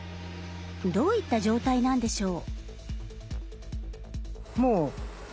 どういった状態なんでしょう。